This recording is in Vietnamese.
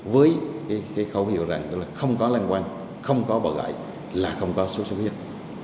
với khẩu hiệu rằng không có lanh quan không có bỏ gãi là không có xuất xuất huyết